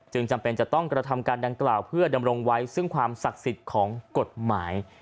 จำเป็นจะต้องกระทำการดังกล่าวเพื่อดำรงไว้ซึ่งความศักดิ์สิทธิ์ของกฎหมาย